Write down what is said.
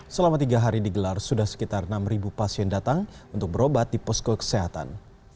selama tiga hari digelar sudah sekitar enam pasien datang untuk berobat di posko kesehatan